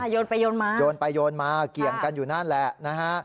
โยนไปโยนมาโยนไปโยนมาเกี่ยงกันอยู่นั่นแหละนะฮะ